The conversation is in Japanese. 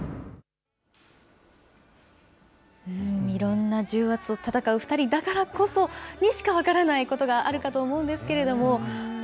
いろんな重圧と闘う２人にしか分からないことがあるかと思うんですけれども、